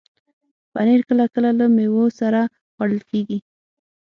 پنېر کله کله له میوو سره خوړل کېږي.